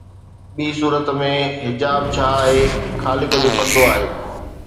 ٻي صورت ۾، حجاب ڇا آهي خالق جو پردو آهي